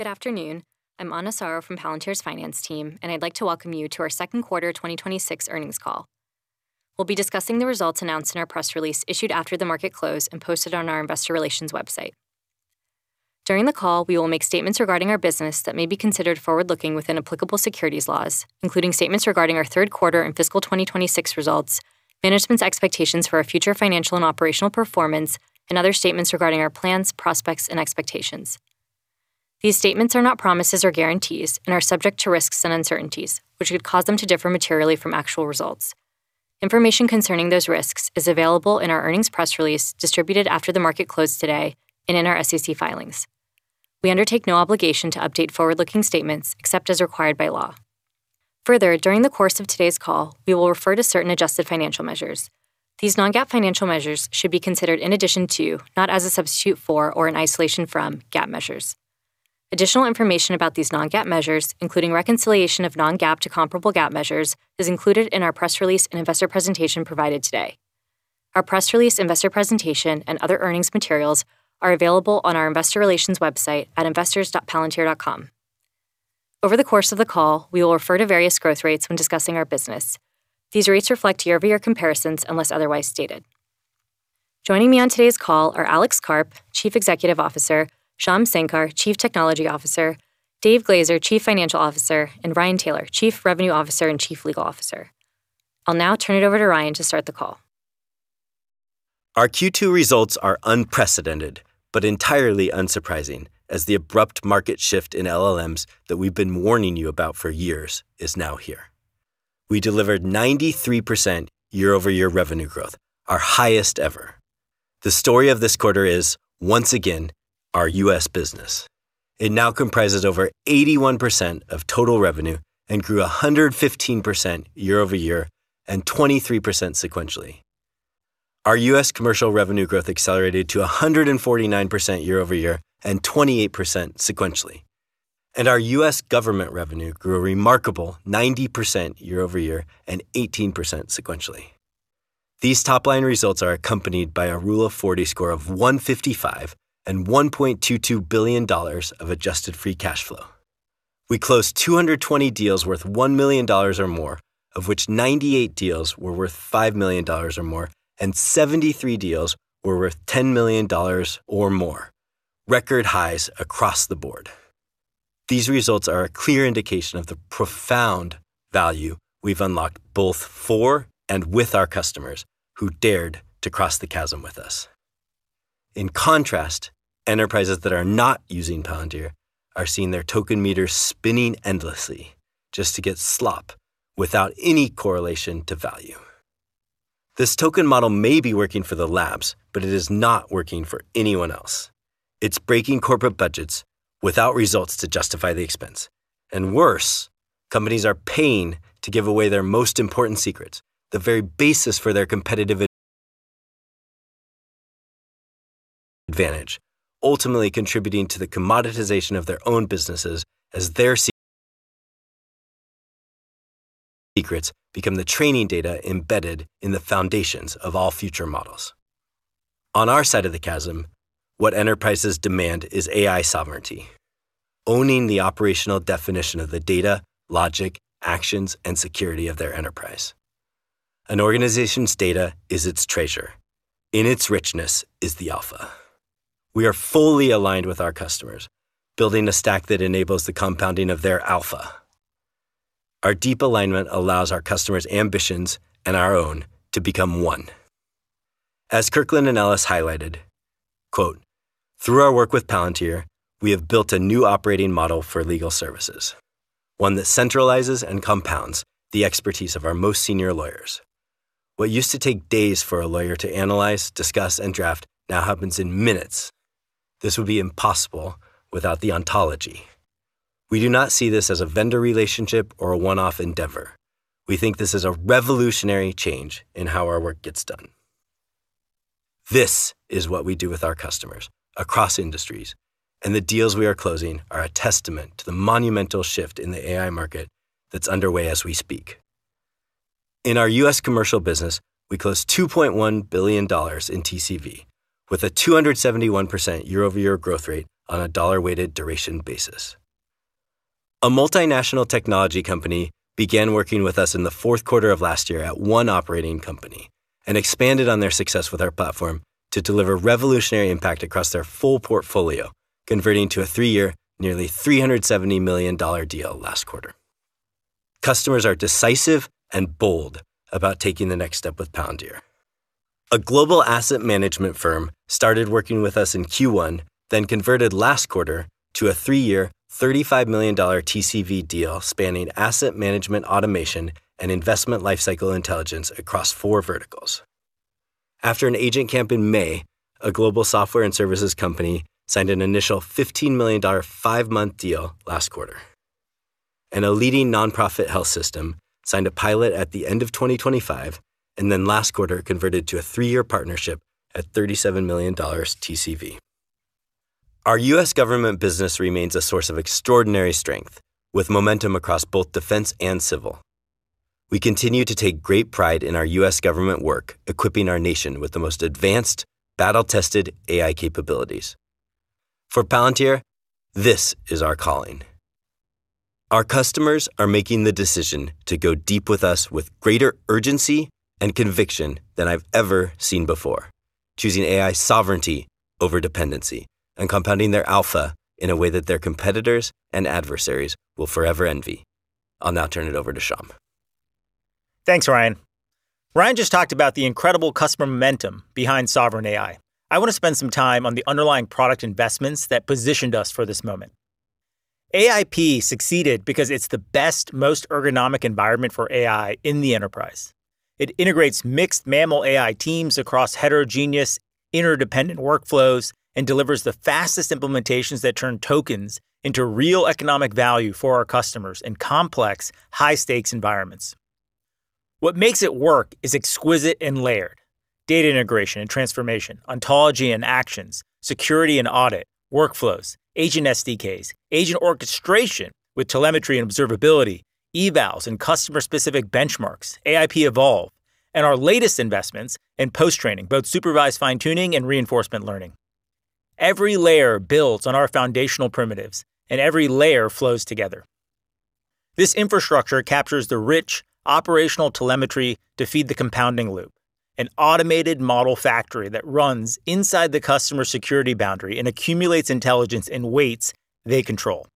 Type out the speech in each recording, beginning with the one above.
Good afternoon. I'm Ana Soro from Palantir's finance team. I'd like to welcome you to our Q2 2026 earnings call. We'll be discussing the results announced in our press release issued after the market closed and posted on our investor relations website. During the call, we will make statements regarding our business that may be considered forward-looking within applicable securities laws, including statements regarding our Q3 and fiscal 2026 results, management's expectations for our future financial and operational performance, and other statements regarding our plans, prospects, and expectations. These statements are not promises or guarantees and are subject to risks and uncertainties which could cause them to differ materially from actual results. Information concerning those risks is available in our earnings press release distributed after the market closed today and in our SEC filings. We undertake no obligation to update forward-looking statements except as required by law. Further, during the course of today's call, we will refer to certain adjusted financial measures. These non-GAAP financial measures should be considered in addition to, not as a substitute for or in isolation from, GAAP measures. Additional information about these non-GAAP measures, including reconciliation of non-GAAP to comparable GAAP measures, is included in our press release and investor presentation provided today. Our press release, investor presentation, and other earnings materials are available on our investor relations website at investors.palantir.com. Over the course of the call, we will refer to various growth rates when discussing our business. These rates reflect year-over-year comparisons unless otherwise stated. Joining me on today's call are Alex Karp, Chief Executive Officer, Shyam Sankar, Chief Technology Officer, David Glazer, Chief Financial Officer, and Ryan Taylor, Chief Revenue Officer and Chief Legal Officer. I'll now turn it over to Ryan to start the call. Our Q2 results are unprecedented but entirely unsurprising, as the abrupt market shift in LLMs that we've been warning you about for years is now here. We delivered 93% year-over-year revenue growth, our highest ever. The story of this quarter is, once again, our U.S. business. It now comprises over 81% of total revenue and grew 115% year-over-year and 23% sequentially. Our U.S. commercial revenue growth accelerated to 149% year-over-year and 28% sequentially. Our U.S. government revenue grew a remarkable 90% year-over-year and 18% sequentially. These top-line results are accompanied by a Rule of 40 score of 155 and $1.22 billion of adjusted free cash flow. We closed 220 deals worth $1 million or more, of which 98 deals were worth $5 million or more, and 73 deals were worth $10 million or more. Record highs across the board. These results are a clear indication of the profound value we've unlocked both for and with our customers who dared to cross the chasm with us. In contrast, enterprises that are not using Palantir are seeing their token meters spinning endlessly just to get slop without any correlation to value. This token model may be working for the labs, but it is not working for anyone else. It's breaking corporate budgets without results to justify the expense. Worse, companies are paying to give away their most important secrets, the very basis for their competitive advantage. Ultimately contributing to the commoditization of their own businesses as their secrets become the training data embedded in the foundations of all future models. On our side of the chasm, what enterprises demand is AI sovereignty, owning the operational definition of the data, logic, actions, and security of their enterprise. An organization's data is its treasure. In its richness is the alpha. We are fully aligned with our customers, building a stack that enables the compounding of their alpha. Our deep alignment allows our customers' ambitions and our own to become one. As Kirkland & Ellis highlighted, quote, "Through our work with Palantir, we have built a new operating model for legal services, one that centralizes and compounds the expertise of our most senior lawyers. What used to take days for a lawyer to analyze, discuss, and draft now happens in minutes. This would be impossible without the Ontology. We do not see this as a vendor relationship or a one-off endeavor. We think this is a revolutionary change in how our work gets done." This is what we do with our customers across industries. The deals we are closing are a testament to the monumental shift in the AI market that's underway as we speak. In our U.S. commercial business, we closed $2.1 billion in TCV with a 271% year-over-year growth rate on a dollar-weighted duration basis. A multinational technology company began working with us in the Q4 of last year at one operating company and expanded on their success with our platform to deliver revolutionary impact across their full portfolio, converting to a three-year, nearly $370 million deal last quarter. Customers are decisive and bold about taking the next step with Palantir. A global asset management firm started working with us in Q1, converted last quarter to a three-year $35 million TCV deal spanning asset management automation and investment lifecycle intelligence across four verticals. After an Agent Camp in May, a global software and services company signed an initial $15 million five-month deal last quarter. A leading nonprofit health system signed a pilot at the end of 2025, converted last quarter to a three-year partnership at $37 million TCV. Our U.S. government business remains a source of extraordinary strength, with momentum across both defense and civil. We continue to take great pride in our U.S. government work, equipping our nation with the most advanced battle-tested AI capabilities. For Palantir, this is our calling. Our customers are making the decision to go deep with us with greater urgency and conviction than I've ever seen before, choosing AI sovereignty over dependency and compounding their alpha in a way that their competitors and adversaries will forever envy. I'll now turn it over to Shyam. Thanks, Ryan. Ryan just talked about the incredible customer momentum behind sovereign AI. I want to spend some time on the underlying product investments that positioned us for this moment. AIP succeeded because it's the best, most ergonomic environment for AI in the enterprise. It integrates mixed model AI teams across heterogeneous, interdependent workflows and delivers the fastest implementations that turn tokens into real economic value for our customers in complex, high-stakes environments. What makes it work is exquisite and layered. Data integration and transformation, Ontology and actions, security and audit, workflows, agent SDKs, agent orchestration with telemetry and observability, evals and customer-specific benchmarks, AIP Evolve, and our latest investments in post-training, both supervised fine-tuning and reinforcement learning. Every layer builds on our foundational primitives, every layer flows together. This infrastructure captures the rich operational telemetry to feed the compounding loop, an automated model factory that runs inside the customer security boundary and accumulates intelligence in weights they control.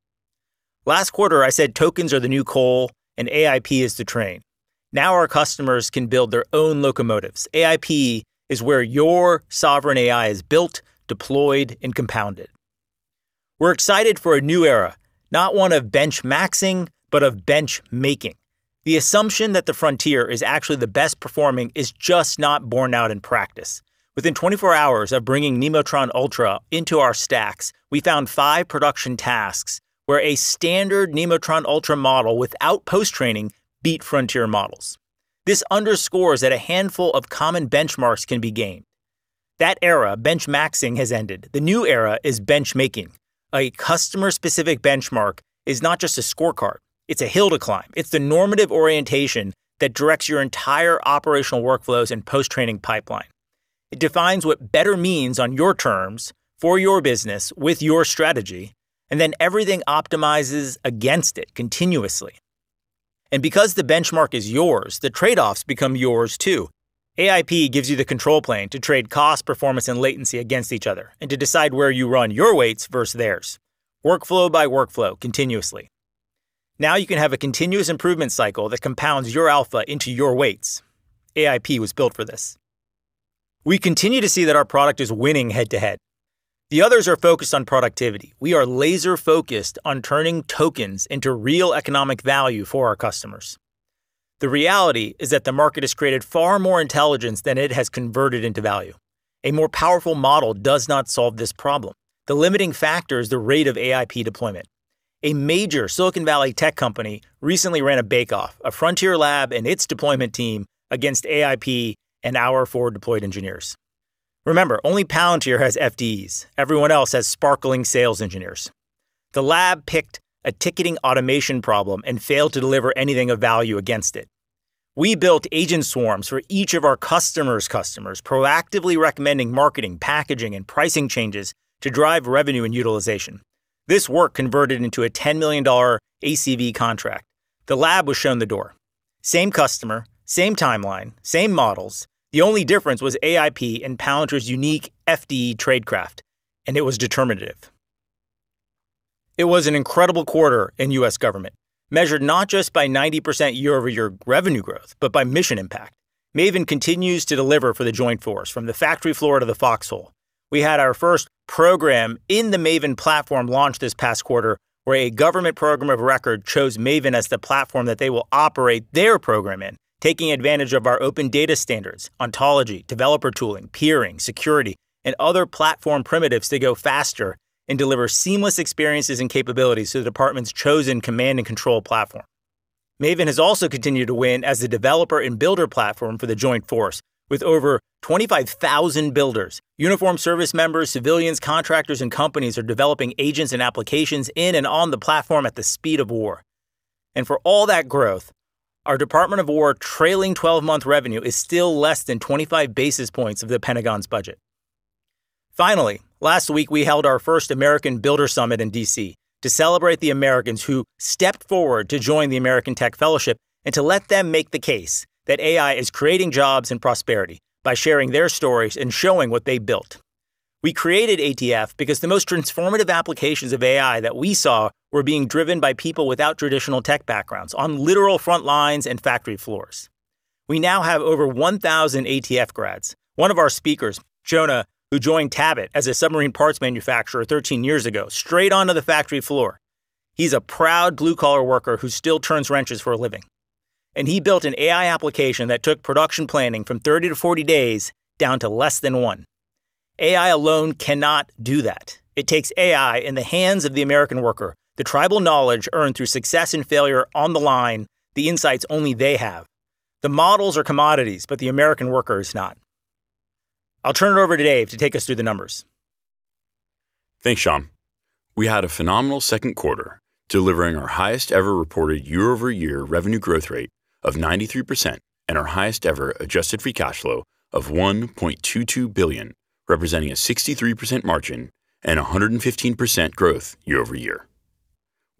Last quarter, I said tokens are the new coal and AIP is the train. Now our customers can build their own locomotives. AIP is where your sovereign AI is built, deployed, and compounded. We're excited for a new era, not one of benchmaxing, but of benchmaking. The assumption that the frontier is actually the best performing is just not borne out in practice. Within 24 hours of bringing Nemotron Ultra into our stacks, we found five production tasks where a standard Nemotron Ultra model without post-training beat frontier models. This underscores that a handful of common benchmarks can be gamed. That era, benchmaxing, has ended. The new era is benchmaking. A customer-specific benchmark is not just a scorecard. It's a hill to climb. It's the normative orientation that directs your entire operational workflows and post-training pipeline. It defines what better means on your terms for your business with your strategy, everything optimizes against it continuously. Because the benchmark is yours, the trade-offs become yours, too. AIP gives you the control plane to trade cost, performance, and latency against each other, and to decide where you run your weights versus theirs, workflow by workflow, continuously. You can have a continuous improvement cycle that compounds your alpha into your weights. AIP was built for this. We continue to see that our product is winning head-to-head. The others are focused on productivity. We are laser-focused on turning tokens into real economic value for our customers. The reality is that the market has created far more intelligence than it has converted into value. A more powerful model does not solve this problem. The limiting factor is the rate of AIP deployment. A major Silicon Valley tech company recently ran a bake-off, a frontier lab and its deployment team against AIP and our Forward Deployed Engineers. Remember, only Palantir has FDEs. Everyone else has sparkling sales engineers. The lab picked a ticketing automation problem and failed to deliver anything of value against it. We built agent swarms for each of our customers' customers, proactively recommending marketing, packaging, and pricing changes to drive revenue and utilization. This work converted into a $10 million ACV contract. The lab was shown the door. Same customer, same timeline, same models. The only difference was AIP and Palantir's unique FDE tradecraft, it was determinative. It was an incredible quarter in U.S. government, measured not just by 90% year-over-year revenue growth, but by mission impact. Maven continues to deliver for the Joint Force, from the factory floor to the foxhole. We had our first program in the Maven platform launched this past quarter, where a government program of record chose Maven as the platform that they will operate their program in, taking advantage of our open data standards, ontology, developer tooling, peering, security, and other platform primitives to go faster and deliver seamless experiences and capabilities to the department's chosen command and control platform. Maven has also continued to win as the developer and builder platform for the Joint Force. With over 25,000 builders, uniform service members, civilians, contractors, and companies are developing agents and applications in and on the platform at the speed of war. For all that growth, our Department of War trailing 12-month revenue is still less than 25 basis points of the Pentagon's budget. Finally, last week, we held our first American Builder Summit in D.C. to celebrate the Americans who stepped forward to join the American Tech Fellowship and to let them make the case that AI is creating jobs and prosperity by sharing their stories and showing what they built. We created ATF because the most transformative applications of AI that we saw were being driven by people without traditional tech backgrounds on literal front lines and factory floors. We now have over 1,000 ATF grads. One of our speakers, Jonah, who joined Tabet as a submarine parts manufacturer 13 years ago, straight onto the factory floor. He's a proud blue-collar worker who still turns wrenches for a living. He built an AI application that took production planning from 30 to 40 days down to less than one. AI alone cannot do that. It takes AI in the hands of the American worker, the tribal knowledge earned through success and failure on the line, the insights only they have. The models are commodities, the American worker is not. I'll turn it over to Dave to take us through the numbers. Thanks, Shyam. We had a phenomenal Q2, delivering our highest ever reported year-over-year revenue growth rate of 93% and our highest ever adjusted free cash flow of $1.22 billion, representing a 63% margin and 115% growth year-over-year.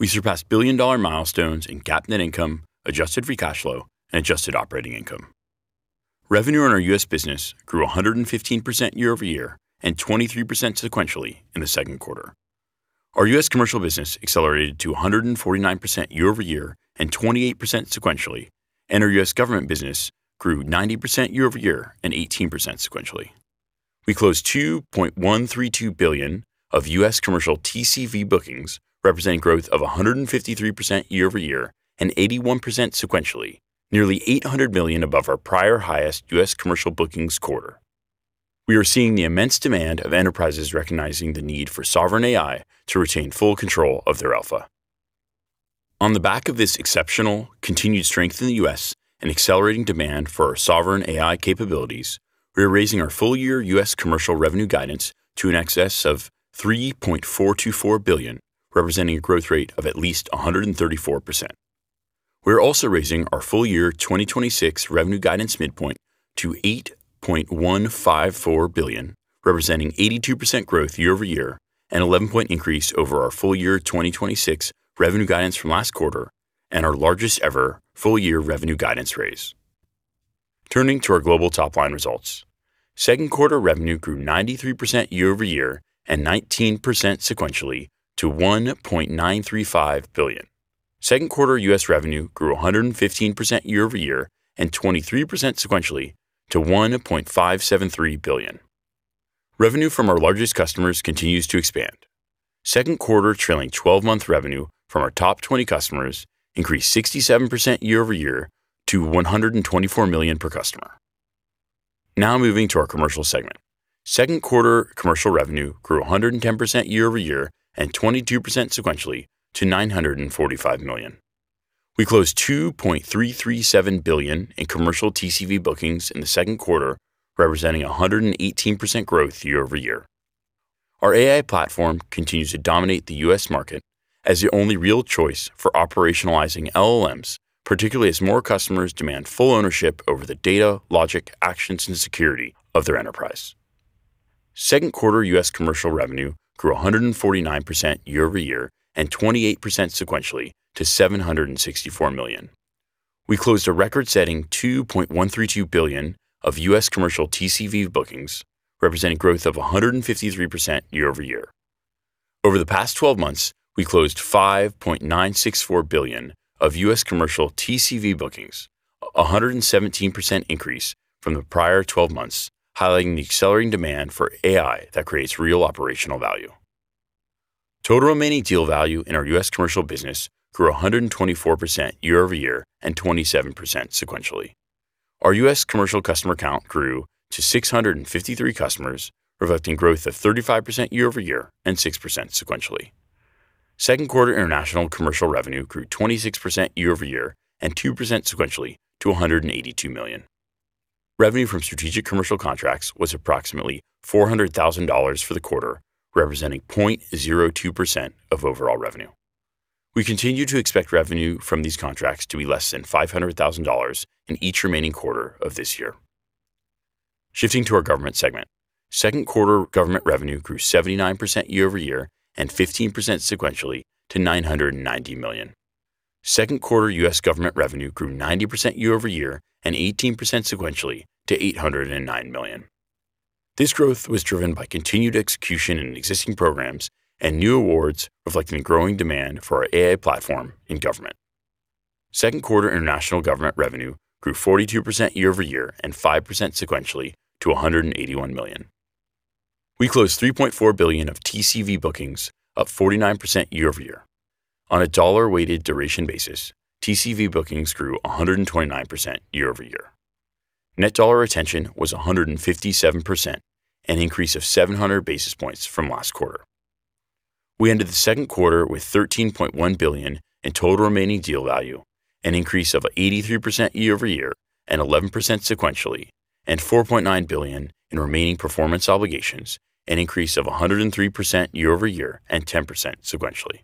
We surpassed billion-dollar milestones in GAAP net income, adjusted free cash flow, and adjusted operating income. Revenue in our U.S. business grew 115% year-over-year and 23% sequentially in the Q2. Our U.S. commercial business accelerated to 149% year-over-year and 28% sequentially, and our U.S. government business grew 90% year-over-year and 18% sequentially. We closed $2.132 billion of U.S. commercial TCV bookings, representing growth of 153% year-over-year and 81% sequentially, nearly $800 million above our prior highest U.S. commercial bookings quarter. We are seeing the immense demand of enterprises recognizing the need for sovereign AI to retain full control of their alpha. On the back of this exceptional continued strength in the U.S. and accelerating demand for our sovereign AI capabilities, we are raising our full-year U.S. Commercial revenue guidance to in excess of $3.424 billion, representing a growth rate of at least 134%. We are also raising our full-year 2026 revenue guidance midpoint to $8.154 billion, representing 82% growth year-over-year, an 11-point increase over our full-year 2026 revenue guidance from last quarter, and our largest ever full-year revenue guidance raise. Turning to our global top-line results. Q2 revenue grew 93% year-over-year and 19% sequentially to $1.935 billion. Q2 U.S. revenue grew 115% year-over-year and 23% sequentially to $1.573 billion. Revenue from our largest customers continues to expand. Q2 trailing 12-month revenue from our top 20 customers increased 67% year-over-year to $124 million per customer. Now moving to our Commercial Segment. Q2 Commercial revenue grew 110% year-over-year and 22% sequentially to $945 million. We closed $2.337 billion in Commercial TCV bookings in the Q2, representing 118% growth year-over-year. Our AI platform continues to dominate the U.S. market as the only real choice for operationalizing LLMs, particularly as more customers demand full ownership over the data, logic, actions, and security of their enterprise. Q2 U.S. Commercial revenue grew 149% year-over-year and 28% sequentially to $764 million. We closed a record-setting $2.132 billion of U.S. Commercial TCV bookings, representing growth of 153% year-over-year. Over the past 12 months, we closed $5.964 billion of U.S. Commercial TCV bookings, 117% increase from the prior 12 months, highlighting the accelerating demand for AI that creates real operational value. Total remaining deal value in our U.S. Commercial business grew 124% year-over-year and 27% sequentially. Our U.S. Commercial customer count grew to 653 customers, reflecting growth of 35% year-over-year and 6% sequentially. Q2 International Commercial revenue grew 26% year-over-year and 2% sequentially to $182 million. Revenue from strategic commercial contracts was approximately $400,000 for the quarter, representing 0.02% of overall revenue. We continue to expect revenue from these contracts to be less than $500,000 in each remaining quarter of this year. Shifting to our Government Segment. Q2 Government revenue grew 79% year-over-year and 15% sequentially to $990 million. Q2 U.S. Government revenue grew 90% year-over-year and 18% sequentially to $809 million. This growth was driven by continued execution in existing programs and new awards reflecting a growing demand for our AI platform in government. Q2 International Government revenue grew 42% year-over-year and 5% sequentially to $181 million. We closed $3.4 billion of TCV bookings, up 49% year-over-year. On a dollar-weighted duration basis, TCV bookings grew 129% year-over-year. Net dollar retention was 157%, an increase of 700 basis points from last quarter. We ended the Q2 with $13.1 billion in total remaining deal value, an increase of 83% year-over-year and 11% sequentially, and $4.9 billion in remaining performance obligations, an increase of 103% year-over-year and 10% sequentially.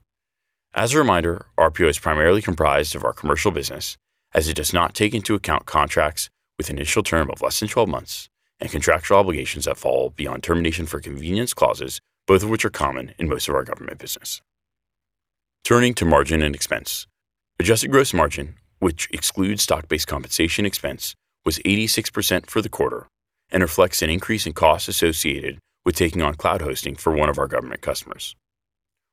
As a reminder, RPO is primarily comprised of our Commercial business as it does not take into account contracts with initial term of less than 12 months and contractual obligations that fall beyond termination for convenience clauses, both of which are common in most of our Government business. Turning to margin and expense. Adjusted gross margin, which excludes stock-based compensation expense, was 86% for the quarter and reflects an increase in costs associated with taking on cloud hosting for one of our Government customers.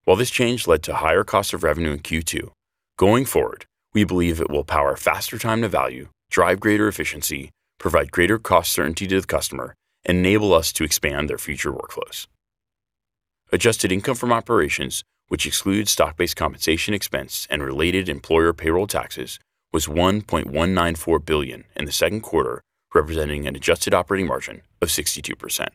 While this change led to higher cost of revenue in Q2, going forward, we believe it will power faster time to value, drive greater efficiency, provide greater cost certainty to the customer, and enable us to expand their future workflows. Adjusted income from operations, which excluded stock-based compensation expense and related employer payroll taxes, was $1.194 billion in the Q2, representing an adjusted operating margin of 62%.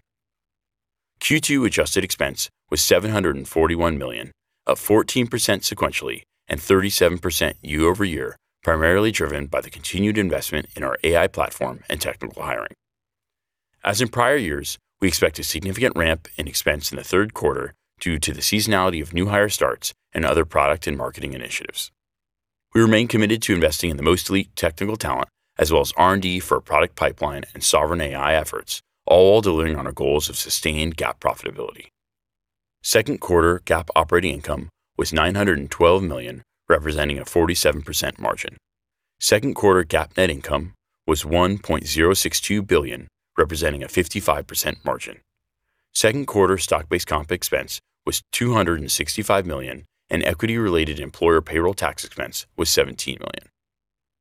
Q2 adjusted expense was $741 million, up 14% sequentially and 37% year-over-year, primarily driven by the continued investment in our AI platform and technical hiring. As in prior years, we expect a significant ramp in expense in the Q3 due to the seasonality of new hire starts and other product and marketing initiatives. We remain committed to investing in the most elite technical talent as well as R&D for our product pipeline and sovereign AI efforts, all while delivering on our goals of sustained GAAP profitability. Q2 GAAP operating income was $912 million, representing a 47% margin. Q2 GAAP net income was $1.062 billion, representing a 55% margin. Q2 stock-based comp expense was $265 million, and equity-related employer payroll tax expense was $17 million.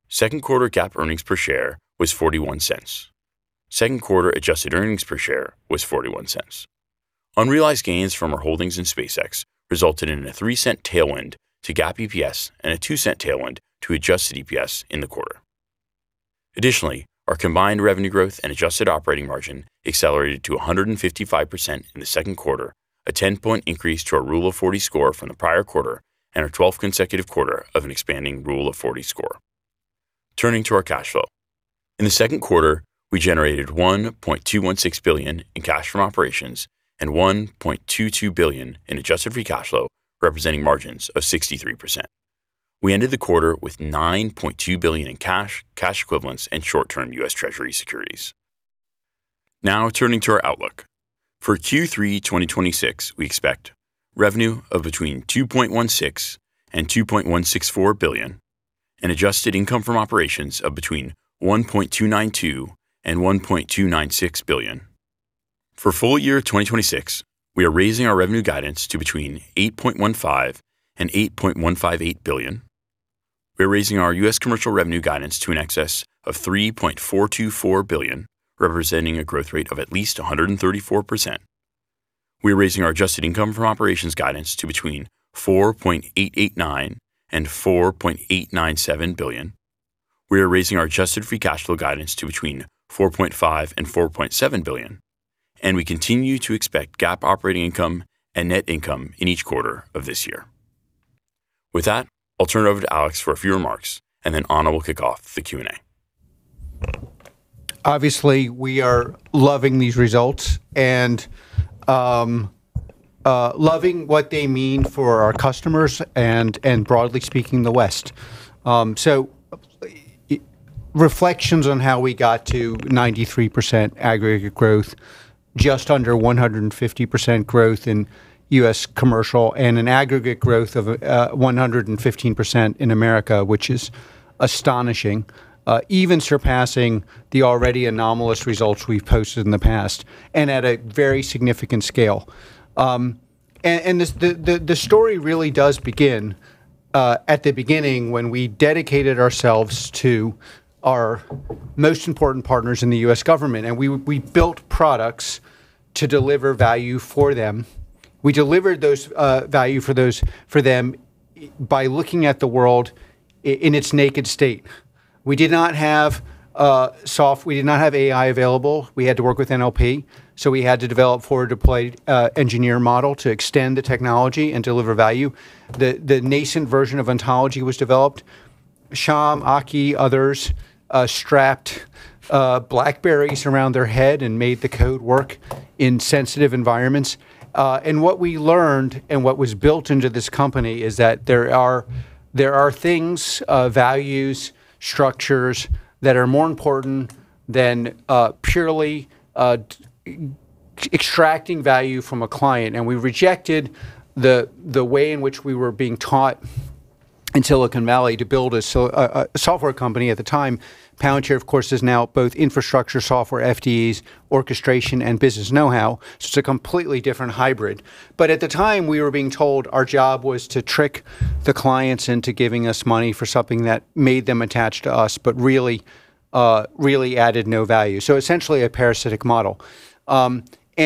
Q2 GAAP earnings per share was $0.41. Q2 adjusted earnings per share was $0.41. Unrealized gains from our holdings in SpaceX resulted in a $0.03 tailwind to GAAP EPS and a $0.02 tailwind to adjusted EPS in the quarter. Our combined revenue growth and adjusted operating margin accelerated to 155% in the Q2, a 10-point increase to our Rule of 40 score from the prior quarter and our 12th consecutive quarter of an expanding Rule of 40 score. Turning to our cash flow. In the Q2, we generated $1.216 billion in cash from operations and $1.22 billion in adjusted free cash flow, representing margins of 63%. We ended the quarter with $9.2 billion in cash equivalents, and short-term U.S. Treasury securities. Turning to our outlook. For Q3 2026, we expect revenue of between $2.16 billion and $2.164 billion and adjusted income from operations of between $1.292 billion and $1.296 billion. For full year 2026, we are raising our revenue guidance to between $8.15 billion and $8.158 billion. We're raising our U.S. commercial revenue guidance to in excess of $3.424 billion, representing a growth rate of at least 134%. We're raising our adjusted income from operations guidance to between $4.889 billion and $4.897 billion. We are raising our adjusted free cash flow guidance to between $4.5 billion and $4.7 billion, and we continue to expect GAAP operating income and net income in each quarter of this year. I'll turn it over to Alex for a few remarks, and then Ana will kick off the Q&A. Obviously, we are loving these results and loving what they mean for our customers and broadly speaking, the West. Reflections on how we got to 93% aggregate growth, just under 150% growth in U.S. commercial, and an aggregate growth of 115% in America, which is astonishing, even surpassing the already anomalous results we've posted in the past and at a very significant scale. The story really does begin at the beginning when we dedicated ourselves to our most important partners in the U.S. government, and we built products to deliver value for them. We delivered those value for them by looking at the world in its naked state. We did not have AI available. We had to work with NLP, so we had to develop forward-deployed engineer model to extend the technology and deliver value. The nascent version of Ontology was developed. Shyam, Aki, others strapped BlackBerrys around their head and made the code work in sensitive environments. What we learned and what was built into this company is that there are things, values, structures that are more important than purely extracting value from a client. We rejected the way in which we were being taught in Silicon Valley to build a software company at the time. Palantir, of course, is now both infrastructure, software, FDEs, orchestration, and business know-how. It's a completely different hybrid. At the time, we were being told our job was to trick the clients into giving us money for something that made them attached to us, but really added no value. Essentially a parasitic model.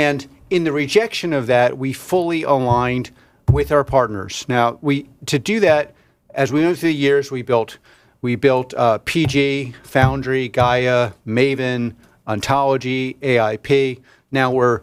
In the rejection of that, we fully aligned with our partners. Now, to do that, as we went through the years, we built PG, Foundry, Gaia, Maven, Ontology, AIP. Now we're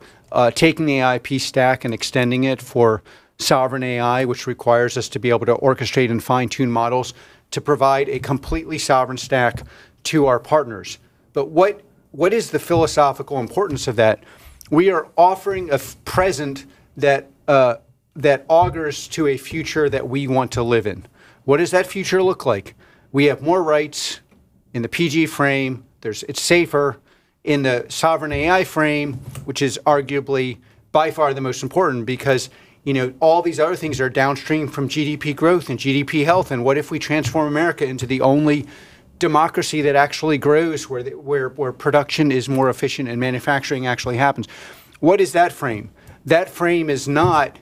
taking the AIP stack and extending it for sovereign AI, which requires us to be able to orchestrate and fine-tune models to provide a completely sovereign stack to our partners. What is the philosophical importance of that? We are offering a present that augurs to a future that we want to live in. What does that future look like? We have more rights in the PG frame. It's safer in the sovereign AI frame, which is arguably by far the most important because all these other things are downstream from GDP growth and GDP health, what if we transform America into the only democracy that actually grows where production is more efficient and manufacturing actually happens? What is that frame? That frame is not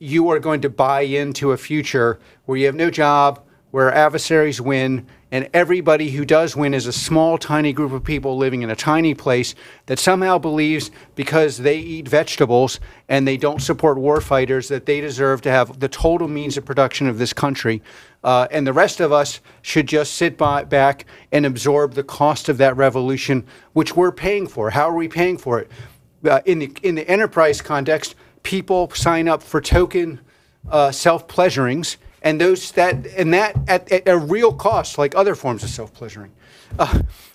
you are going to buy into a future where you have no job, where adversaries win, and everybody who does win is a small, tiny group of people living in a tiny place that somehow believes because they eat vegetables and they don't support war fighters, that they deserve to have the total means of production of this country. The rest of us should just sit back and absorb the cost of that revolution, which we're paying for. How are we paying for it? In the enterprise context, people sign up for token self-pleasurings, and that at a real cost like other forms of self-pleasuring,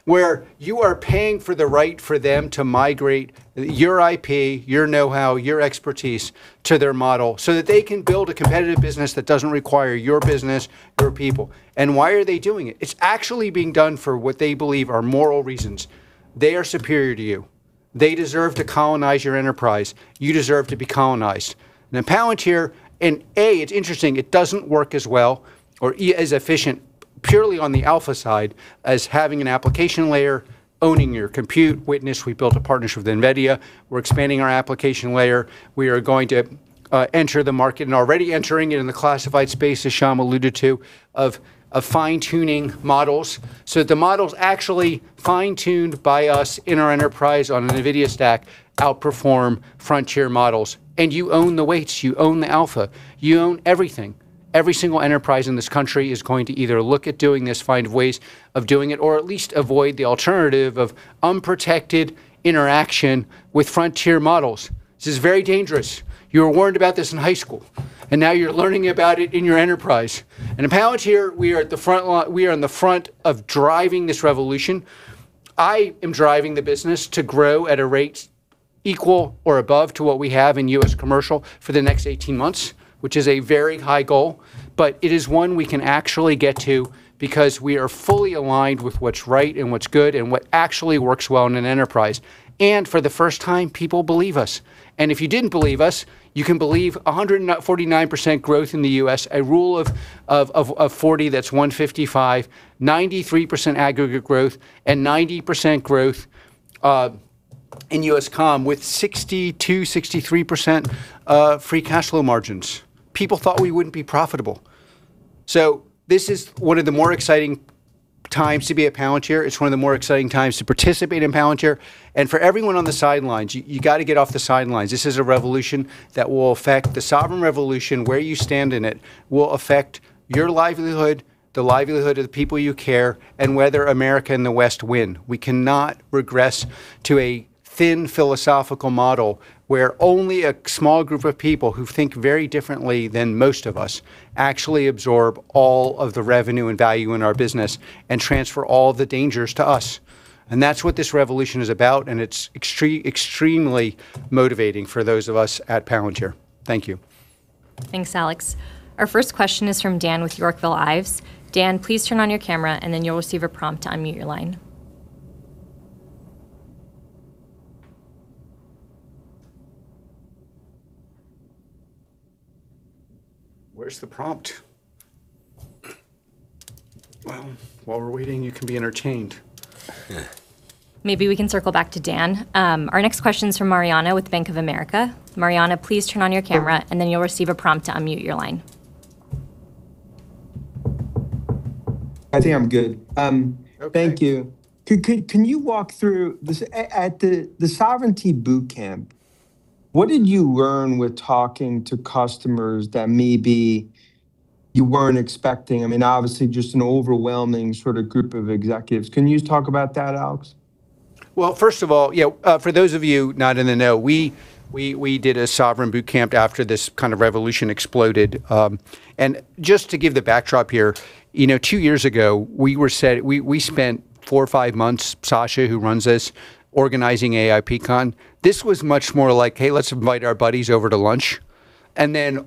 where you are paying for the right for them to migrate your IP, your know-how, your expertise to their model so that they can build a competitive business that doesn't require your business, your people. Why are they doing it? It's actually being done for what they believe are moral reasons. They are superior to you. They deserve to colonize your enterprise. You deserve to be colonized. Palantir, in A, it's interesting, it doesn't work as well or E is efficient purely on the alpha side as having an application layer, owning your compute. Witness, we built a partnership with NVIDIA. We're expanding our application layer. We are going to enter the market and already entering it in the classified space, as Shyam alluded to, of fine-tuning models. The model's actually fine-tuned by us in our enterprise on an NVIDIA stack, outperform frontier models, and you own the weights, you own the alpha. You own everything. Every single enterprise in this country is going to either look at doing this, find ways of doing it, or at least avoid the alternative of unprotected interaction with frontier models. This is very dangerous. You were warned about this in high school, and now you're learning about it in your enterprise. At Palantir, we are in the front of driving this revolution. I am driving the business to grow at a rate equal or above to what we have in U.S. commercial for the next 18 months, which is a very high goal, but it is one we can actually get to because we are fully aligned with what's right and what's good and what actually works well in an enterprise. For the first time, people believe us. If you didn't believe us, you can believe 149% growth in the U.S., a Rule of 40, that's 155%, 93% aggregate growth, and 90% growth in U.S. Comm with 62%-63% free cash flow margins. People thought we wouldn't be profitable. This is one of the more exciting times to be at Palantir. It's one of the more exciting times to participate in Palantir. For everyone on the sidelines, you got to get off the sidelines. This is a revolution that will affect the sovereign revolution. Where you stand in it will affect your livelihood, the livelihood of the people you care, and whether America and the West win. We cannot regress to a thin philosophical model where only a small group of people who think very differently than most of us actually absorb all of the revenue and value in our business and transfer all the dangers to us. That's what this revolution is about, and it's extremely motivating for those of us at Palantir. Thank you. Thanks, Alex. Our first question is from Dan with Yorkville Ives. Dan, please turn on your camera, and then you will receive a prompt to unmute your line. Where is the prompt? Well, while we are waiting, you can be entertained. Yeah. Maybe we can circle back to Dan. Our next question is from Mariana with Bank of America. Mariana, please turn on your camera, and then you will receive a prompt to unmute your line. I think I am good. Okay. Thank you. Can you walk through, at the Sovereignty Bootcamp, what did you learn with talking to customers that maybe you weren't expecting? Obviously, just an overwhelming sort of group of executives. Can you talk about that, Alex? First of all, for those of you not in the know, we did a Sovereignty Bootcamp after this kind of revolution exploded. Just to give the backdrop here, two years ago, we spent four or five months, Sasha, who runs this, organizing AIP Con. This was much more like, "Hey, let's invite our buddies over to lunch."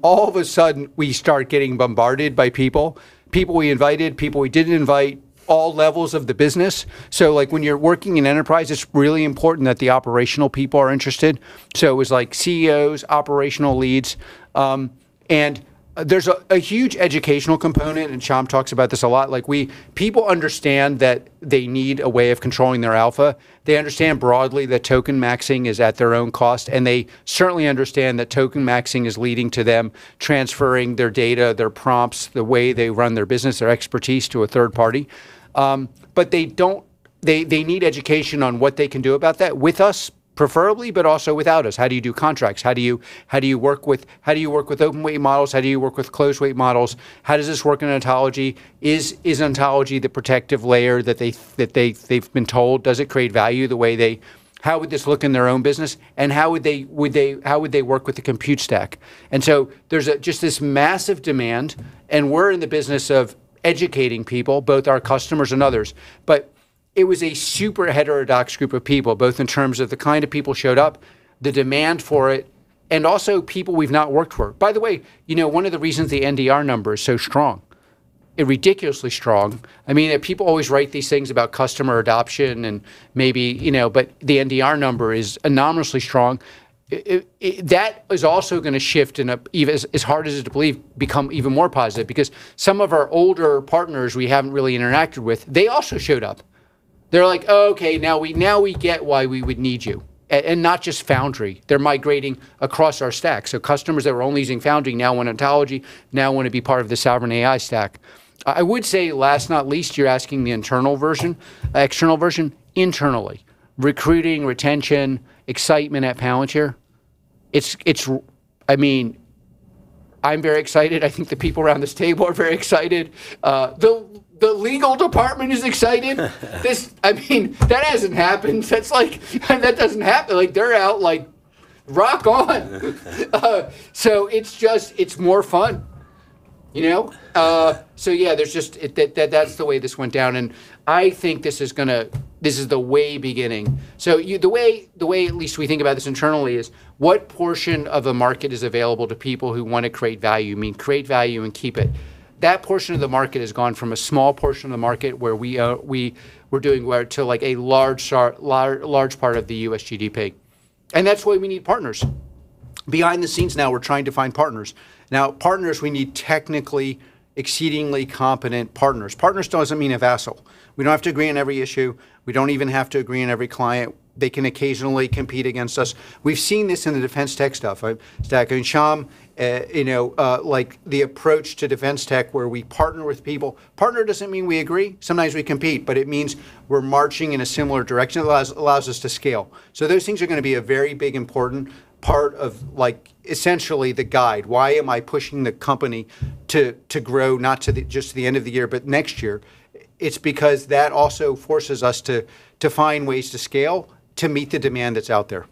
All of a sudden, we start getting bombarded by people. People we invited, people we didn't invite, all levels of the business. When you're working in enterprise, it's really important that the operational people are interested. It was like CEOs, operational leads. There's a huge educational component, and Shyam talks about this a lot. People understand that they need a way of controlling their alpha. They understand broadly that token maxing is at their own cost, and they certainly understand that token maxing is leading to them transferring their data, their prompts, the way they run their business, their expertise to a third party. They need education on what they can do about that with us, preferably, but also without us. How do you do contracts? How do you work with open-weight models? How do you work with closed-weight models? How does this work in Ontology? Is Ontology the protective layer that they've been told? How would this look in their own business, and how would they work with the compute stack? There's just this massive demand, and we're in the business of educating people, both our customers and others. It was a super heterodox group of people, both in terms of the kind of people showed up, the demand for it, and also people we've not worked for. By the way, one of the reasons the NDR number is so strong, ridiculously strong. People always write these things about customer adoption and maybe, but the NDR number is anomalously strong. That is also going to shift and, as hard as it is to believe, become even more positive because some of our older partners we haven't really interacted with, they also showed up. They're like, "Oh, okay. Now we get why we would need you." Not just Foundry. They're migrating across our stack. Customers that were only using Foundry now want Ontology, now want to be part of the sovereign AI stack. I would say last not least, you're asking the internal version, external version. Internally, recruiting, retention, excitement at Palantir. I'm very excited. I think the people around this table are very excited. The legal department is excited. That hasn't happened. That doesn't happen. They're out like, "Rock on." It's more fun. That's the way this went down, and I think this is the way beginning. The way at least we think about this internally is what portion of a market is available to people who want to create value, mean create value, and keep it? That portion of the market has gone from a small portion of the market, where we were doing to a large part of the U.S. GDP. That's why we need partners. Behind the scenes now we're trying to find partners. Partners we need technically exceedingly competent partners. Partners doesn't mean a vassal. We don't have to agree on every issue. We don't even have to agree on every client. They can occasionally compete against us. We've seen this in the defense tech stuff, Stack and Shyam, like the approach to defense tech where we partner with people. Partner doesn't mean we agree. Sometimes we compete, but it means we're marching in a similar direction. It allows us to scale. Those things are going to be a very big important part of essentially the guide. Why am I pushing the company to grow not to just the end of the year, but next year? It's because that also forces us to find ways to scale to meet the demand that's out there.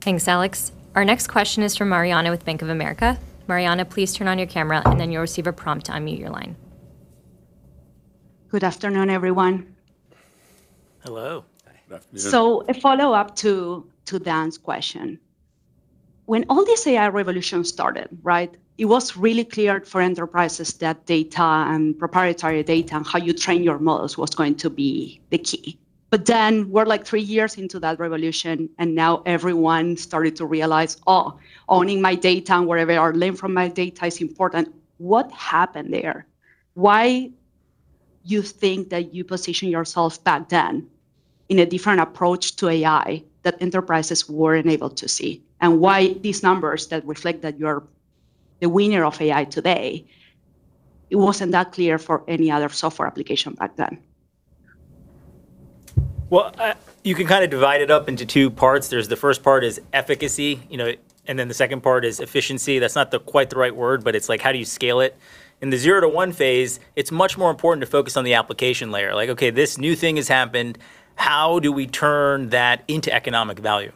Thanks, Alex. Our next question is from Mariana with Bank of America. Mariana, please turn on your camera and then you'll receive a prompt to unmute your line. Good afternoon, everyone. Hello. Hi. Afternoon. A follow-up to Dan's question. When all this AI revolution started, right? It was really clear for enterprises that data and proprietary data and how you train your models was going to be the key. We're three years into that revolution, and now everyone started to realize, oh, owning my data and where they are learning from my data is important. What happened there? Why you think that you position yourself back then in a different approach to AI that enterprises weren't able to see? Why these numbers that reflect that you are the winner of AI today, it wasn't that clear for any other software application back then? You can kind of divide it up into two parts. There's the first part is efficacy, the second part is efficiency. That's not the quite the right word, but it's like, how do you scale it? In the zero to one phase, it's much more important to focus on the application layer. Okay, this new thing has happened, how do we turn that into economic value?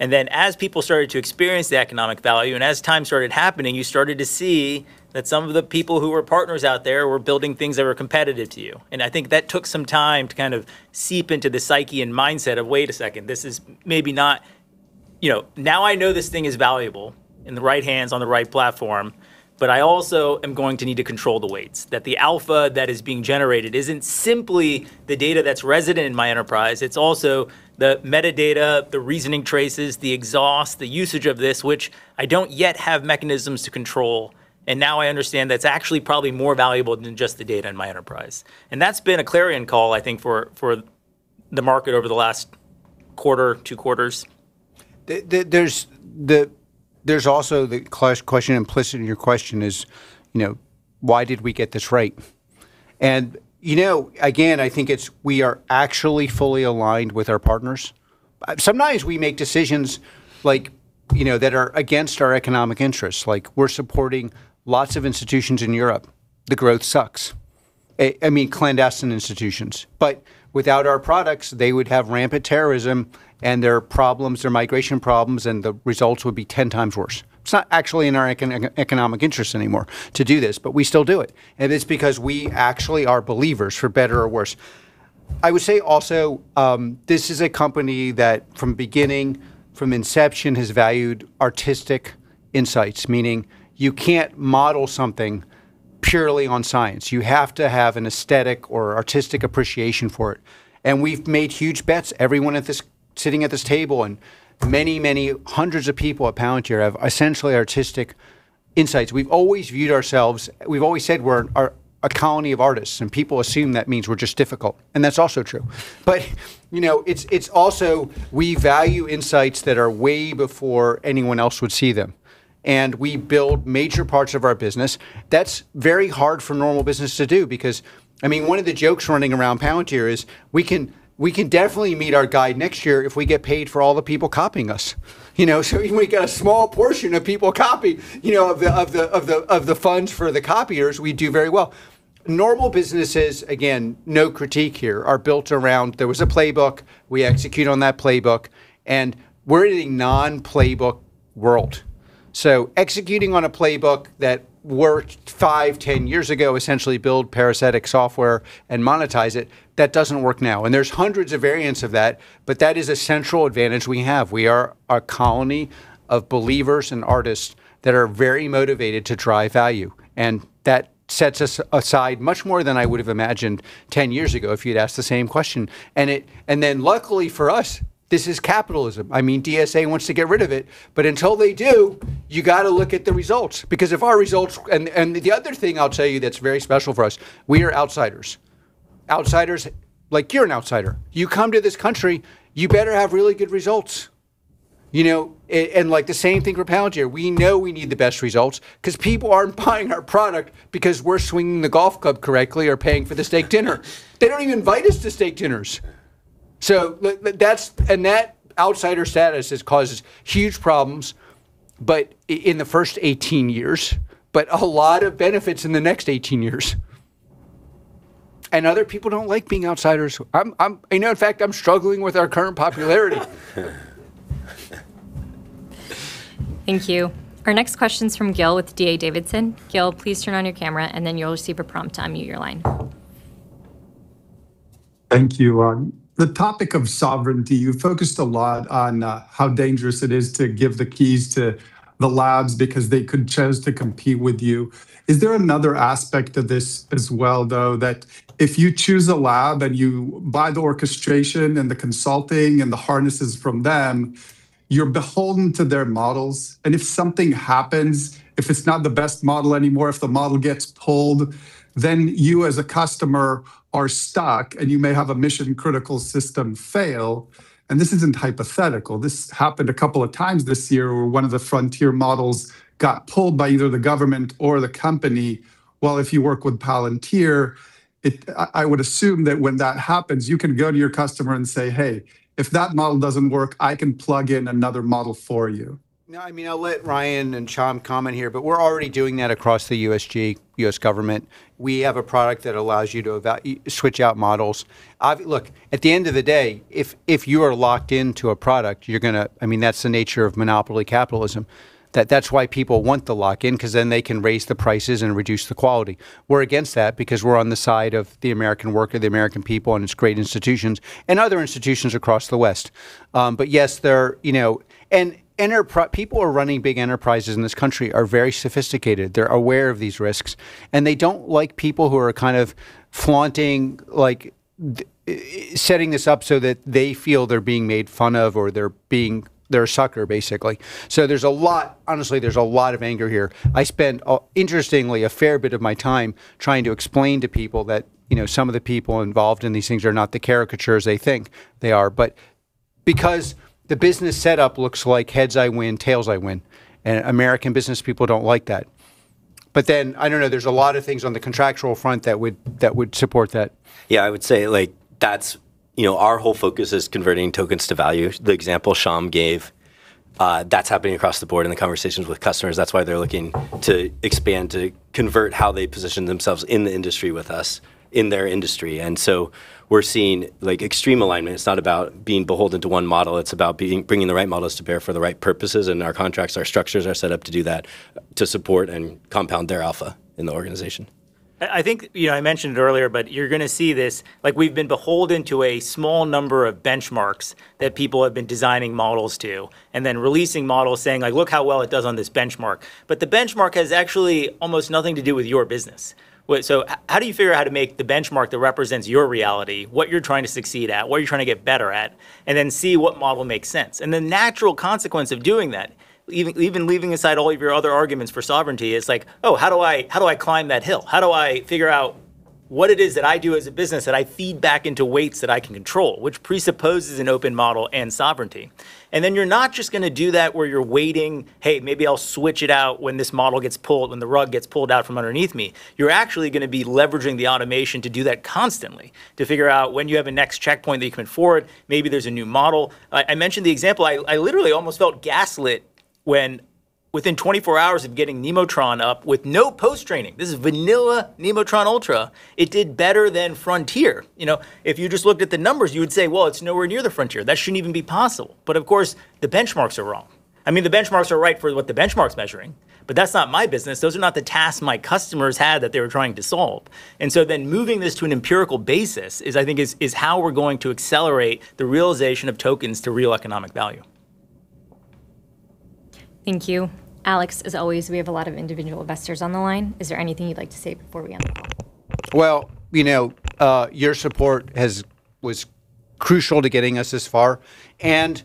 As people started to experience the economic value, and as time started happening, you started to see that some of the people who were partners out there were building things that were competitive to you. I think that took some time to kind of seep into the psyche and mindset of, Now I know this thing is valuable in the right hands on the right platform, but I also am going to need to control the weights. That the alpha that is being generated isn't simply the data that's resident in my enterprise. It's also the metadata, the reasoning traces, the exhaust, the usage of this, which I don't yet have mechanisms to control. Now I understand that's actually probably more valuable than just the data in my enterprise. That's been a clarion call, I think, for the market over the last quarter, two quarters. There's also the question implicit in your question is, why did we get this right? Again, I think it's we are actually fully aligned with our partners. Sometimes we make decisions that are against our economic interests. We're supporting lots of institutions in Europe. The growth sucks. I mean clandestine institutions. Without our products, they would have rampant terrorism and their migration problems, and the results would be 10 times worse. It's not actually in our economic interest anymore to do this, but we still do it. It's because we actually are believers, for better or worse. I would say also, this is a company that from beginning, from inception, has valued artistic insights, meaning you can't model something purely on science. You have to have an aesthetic or artistic appreciation for it. We've made huge bets. Everyone sitting at this table and many, many hundreds of people at Palantir have essentially artistic insights. We've always viewed ourselves, we've always said we're a colony of artists, and people assume that means we're just difficult. That's also true. It's also we value insights that are way before anyone else would see them. We build major parts of our business. That's very hard for normal business to do because one of the jokes running around Palantir is we can definitely meet our guide next year if we get paid for all the people copying us. We get a small portion of people copy of the funds for the copiers, we do very well. Normal businesses, again, no critique here, are built around there was a playbook, we execute on that playbook, and we're in a non-playbook world. Executing on a playbook that worked 5, 10 years ago, essentially build parasitic software and monetize it, that doesn't work now. There's hundreds of variants of that, but that is a central advantage we have. We are a colony of believers and artists that are very motivated to drive value, that sets us aside much more than I would have imagined 10 years ago if you'd asked the same question. Luckily for us, this is capitalism. I mean, DSA wants to get rid of it, but until they do, you got to look at the results. The other thing I'll tell you that's very special for us, we are outsiders. Outsiders like you're an outsider. You come to this country, you better have really good results. Like the same thing for Palantir. We know we need the best results because people aren't buying our product because we're swinging the golf club correctly or paying for the steak dinner. They don't even invite us to steak dinners. That outsider status has caused huge problems in the first 18 years, but a lot of benefits in the next 18 years. Other people don't like being outsiders. In fact, I'm struggling with our current popularity. Thank you. Our next question's from Gil with D.A. Davidson. Gil, please turn on your camera, you'll receive a prompt to unmute your line. Thank you. On the topic of sovereignty, you focused a lot on how dangerous it is to give the keys to the labs because they could choose to compete with you. Is there another aspect of this as well, though, that if you choose a lab and you buy the orchestration and the consulting and the harnesses from them, you're beholden to their models, and if something happens, if it's not the best model anymore, if the model gets pulled, then you as a customer are stuck, and you may have a mission-critical system fail. This isn't hypothetical. This happened a couple of times this year, where one of the Frontier models got pulled by either the government or the company, while if you work with Palantir, I would assume that when that happens, you can go to your customer and say, "Hey, if that model doesn't work, I can plug in another model for you. No, I'll let Ryan and Shyam comment here. We're already doing that across the USG, U.S. government. We have a product that allows you to switch out models. Look, at the end of the day, if you are locked into a product, that's the nature of monopoly capitalism. That's why people want the lock-in, because then they can raise the prices and reduce the quality. We're against that because we're on the side of the American worker, the American people, and its great institutions, and other institutions across the West. Yes, people who are running big enterprises in this country are very sophisticated. They're aware of these risks, and they don't like people who are flaunting, setting this up so that they feel they're being made fun of, or they're a sucker, basically. Honestly, there's a lot of anger here. I spent, interestingly, a fair bit of my time trying to explain to people that some of the people involved in these things are not the caricatures they think they are. Because the business setup looks like heads I win, tails I win, and American business people don't like that. I don't know, there's a lot of things on the contractual front that would support that. Yeah, I would say our whole focus is converting tokens to value. The example Shyam gave, that's happening across the board in the conversations with customers. That's why they're looking to expand, to convert how they position themselves in the industry with us, in their industry. We're seeing extreme alignment. It's not about being beholden to one model. It's about bringing the right models to bear for the right purposes, and our contracts, our structures are set up to do that, to support and compound their alpha in the organization. I think I mentioned it earlier, you're going to see this. We've been beholden to a small number of benchmarks that people have been designing models to, and then releasing models saying, "Look how well it does on this benchmark." The benchmark has actually almost nothing to do with your business. How do you figure out how to make the benchmark that represents your reality, what you're trying to succeed at, what you're trying to get better at, and then see what model makes sense? The natural consequence of doing that, even leaving aside all of your other arguments for sovereignty, is like, "Oh, how do I climb that hill? How do I figure out what it is that I do as a business that I feed back into weights that I can control?" Which presupposes an open model and sovereignty. You're not just going to do that where you're waiting, "Hey, maybe I'll switch it out when this model gets pulled, when the rug gets pulled out from underneath me." You're actually going to be leveraging the automation to do that constantly, to figure out when you have a next checkpoint that you can afford. Maybe there's a new model. I mentioned the example. I literally almost felt gaslit when within 24 hours of getting Nemotron up with no post-training, this is vanilla Nemotron Ultra, it did better than Frontier. If you just looked at the numbers, you would say, "Well, it's nowhere near the Frontier. That shouldn't even be possible." Of course, the benchmarks are wrong. The benchmarks are right for what the benchmark's measuring. That's not my business. Those are not the tasks my customers had that they were trying to solve. Moving this to an empirical basis is, I think, is how we're going to accelerate the realization of tokens to real economic value. Thank you. Alex, as always, we have a lot of individual investors on the line. Is there anything you'd like to say before we end? Well, your support was crucial to getting us this far and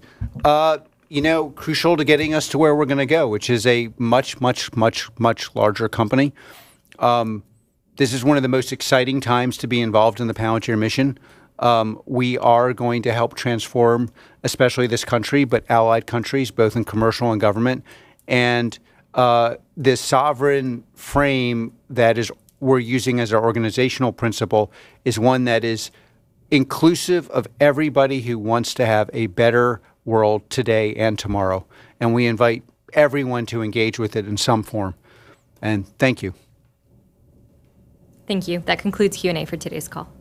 crucial to getting us to where we're going to go, which is a much, much, much, much larger company. This is one of the most exciting times to be involved in the Palantir mission. We are going to help transform, especially this country, but allied countries, both in commercial and government. This sovereign frame that we're using as our organizational principle is one that is inclusive of everybody who wants to have a better world today and tomorrow, and we invite everyone to engage with it in some form. Thank you. Thank you. That concludes Q&A for today's call.